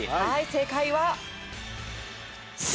正解はＣ。